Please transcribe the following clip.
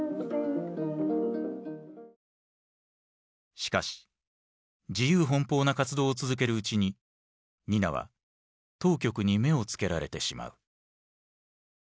しかし自由奔放な活動を続けるうちにニナは当局に目を付けられてしまう。